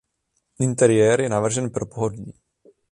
Interiér je navržen pro pohodlí.